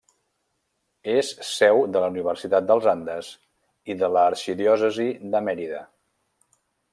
És seu de la Universitat dels Andes i de l'Arxidiòcesi de Mérida.